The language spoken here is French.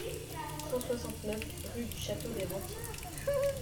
cent soixante-neuf rue du Château des Rentiers